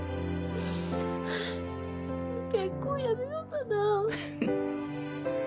結婚やめようかな。